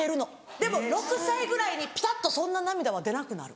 でも６歳ぐらいにピタっとそんな涙は出なくなる。